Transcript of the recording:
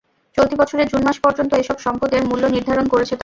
চলতি বছরের জুন মাস পর্যন্ত এসব সম্পদের মূল্য নির্ধারণ করেছে তারা।